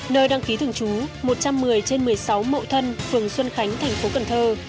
nơi đăng ký thường chú một trăm một mươi sáu mậu thân phường xuân khánh thành phố cần thơ